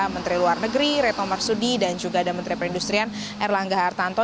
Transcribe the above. pakar negeri reto marsudi dan juga ada menteri perindustrian erlangga hartanto